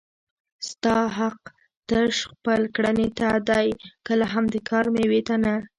ستا حق تش خپل کړنې ته دی کله هم د کار مېوې ته نه